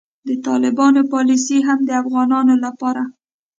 د طالبانو پالیسي هم د افغانانو لپاره